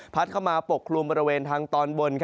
เข้ามาปกคลุมบริเวณทางตอนบน